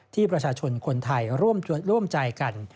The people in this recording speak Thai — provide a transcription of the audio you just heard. ที่ประชาชนคนไทยร่วมใจกัน